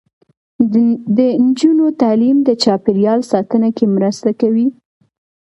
د نجونو تعلیم د چاپیریال ساتنه کې مرسته کوي.